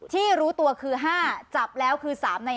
ที่รู้ตัวคือ๕จับแล้วคือ๓ใน๕